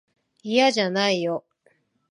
いやじゃないよ。